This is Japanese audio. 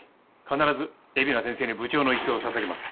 必ず海老名先生に部長の椅子を捧げます。